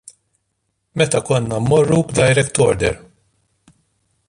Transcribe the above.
Meta konna mmorru b'direct order.